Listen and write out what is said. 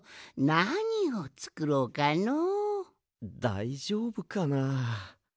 だいじょうぶかな。